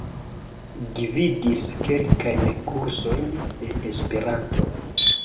Gvidis kelkajn kursojn de Esperanto.